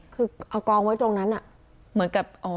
คือเอากองไว้ตรงนั้น